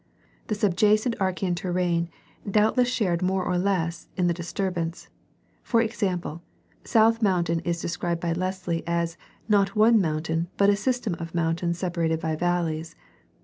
The subjacent Archean terrane doubtless shared more or less in the disturbance : for example. South Mountain is desci'ibed by Lesley as "not one mountain, but a system of mountains separated by valleys.